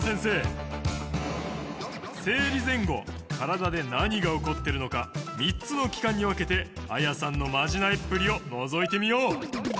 生理前後体で何が起こってるのか３つの期間に分けてあやさんのマジなえっぷりをのぞいてみよう。